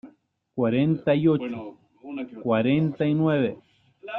cuarenta y ocho, cuarenta y nueve.